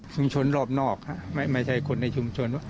ชุมชนรอบนอกไม่ใช่คนในชุมชน